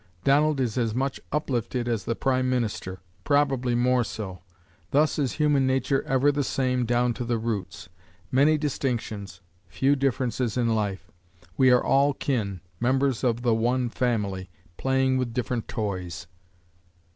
Donald is as much "uplifted" as the Prime Minister; probably more so. Thus is human nature ever the same down to the roots. Many distinctions, few differences in life. We are all kin, members of the one family, playing with different toys.